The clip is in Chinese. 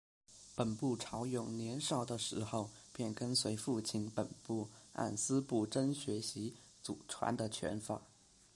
本部朝勇年少的时候便跟随父亲本部按司朝真学习祖传的拳法。